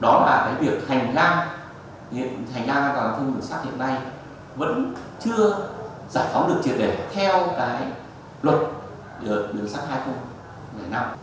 đó là cái việc hành găng hành găng giao thông người sắt hiện nay vẫn chưa giải phóng được truyền đề theo cái luật đường sắt hai phương